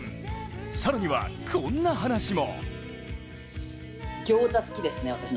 更には、こんな話も。